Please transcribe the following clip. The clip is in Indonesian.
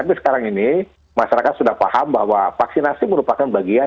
tapi sekarang ini masyarakat sudah paham bahwa vaksinasi merupakan bagian